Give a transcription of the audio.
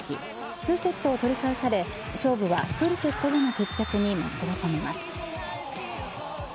２セットを取り返され、勝負はフルセットでの決着にもつれ込みます。